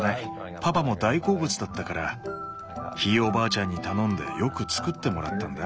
パパも大好物だったからひいおばあちゃんに頼んでよく作ってもらったんだ。